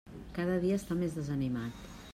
Cada dia està més desanimat.